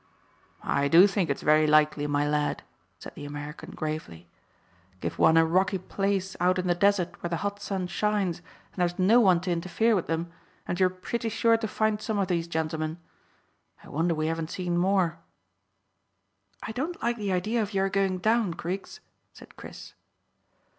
"I do think it's very likely, my lad," said the American gravely. "Give one a rocky place out in the desert where the hot sun shines, and there's no one to interfere with them, and you're pretty sure to find some of those gentlemen. I wonder we haven't seen more." "I don't like the idea of your going down, Griggs," said Chris.